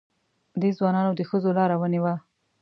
دې ځوانانو د ښځو لاره ونیوه.